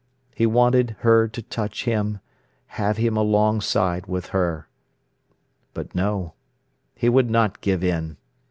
He wanted her to touch him, have him alongside with her. But no, he would not give in.